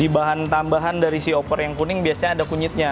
bahan tambahan dari si opor yang kuning biasanya ada kunyitnya